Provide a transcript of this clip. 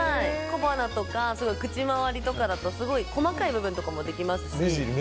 小鼻とか口周りとかだと細かい部分でもできますし。